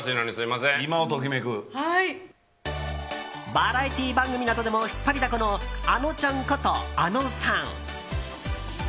バラエティー番組などでも引っ張りだこのあのちゃんことａｎｏさん。